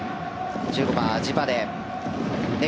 １５番、アジバデ。